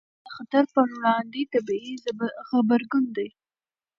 اضطراب د خطر پر وړاندې طبیعي غبرګون دی.